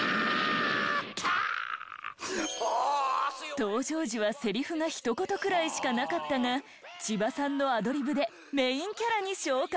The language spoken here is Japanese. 登場時はセリフがひと言くらいしかなかったが千葉さんのアドリブでメインキャラに昇格。